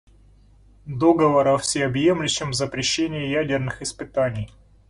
Договор о всеобъемлющем запрещении ядерных испытаний.